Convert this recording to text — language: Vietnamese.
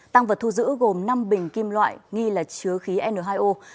tăng vật thu giữ gồm năm bình kim loại nghi là chứa khí n hai o